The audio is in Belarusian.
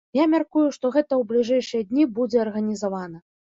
Я мяркую, што гэта ў бліжэйшыя дні будзе арганізавана.